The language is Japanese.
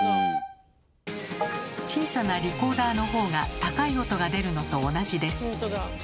小さなリコーダーの方が高い音が出るのと同じです。